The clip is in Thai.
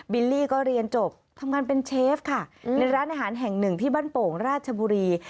ลี่ก็เรียนจบทำงานเป็นเชฟค่ะในร้านอาหารแห่งหนึ่งที่บ้านโป่งราชบุรี